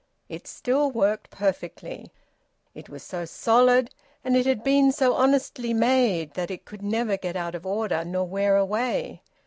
It still worked perfectly. It was so solid, and it had been so honestly made, that it could never get out of order nor wear away.